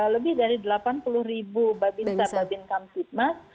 lebih dari delapan puluh babinsa babin kamsitmas